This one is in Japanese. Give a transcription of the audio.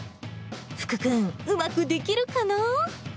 福君、うまくできるかな？